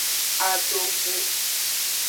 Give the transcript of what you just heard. Adokpu.